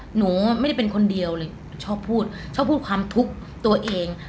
หนูไม่ได้เป็นคนเดียวเลยชอบพูดชอบพูดความทุกข์ตัวเอง